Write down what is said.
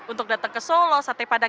untuk datang ke solo sate padang